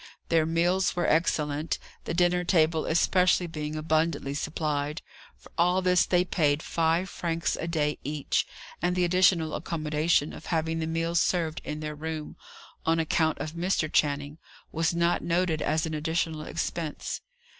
Their meals were excellent; the dinner table especially being abundantly supplied. For all this they paid five francs a day each, and the additional accommodation of having the meals served in their room, on account of Mr. Channing, was not noted as an additional expense.